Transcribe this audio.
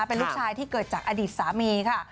เป็นลูกชายที่เกิดจากอดีตสามีค่ะ